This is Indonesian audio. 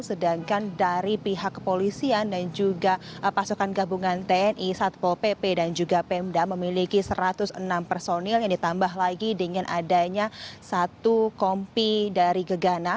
sedangkan dari pihak kepolisian dan juga pasukan gabungan tni satpol pp dan juga pemda memiliki satu ratus enam personil yang ditambah lagi dengan adanya satu kompi dari gegana